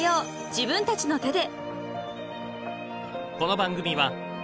自分たちの手で］